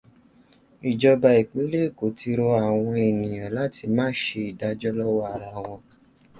Ìjọba ìpínlẹ̀ Èkó ti rọ àwọn ènìyàn láti má ṣe ìdájọ́ lọ́wọ́ ara wọn.